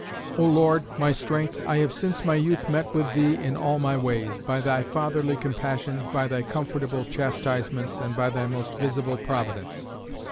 O Lord, my strength, I have since my youth met with thee in all my ways, by thy fatherly compassions, by thy comfortable chastisements, and by thy most visible providence.